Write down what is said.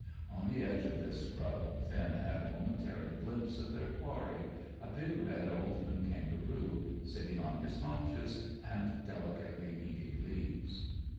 On the edge of this scrub Finn had a momentary glimpse of their quarry, a big red old man kangaroo, sitting on his haunches, and delicately eating leaves.